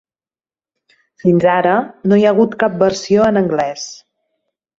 Fins ara, no hi ha hagut cap versió en anglès.